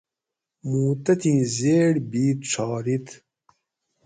موں تتھی زیڑ بھید ڄھار ہِیت